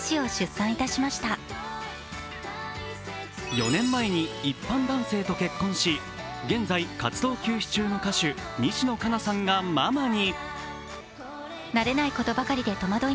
４年前に一般男性と結婚し、現在、活動休止中の歌手・西野カナさんがママに。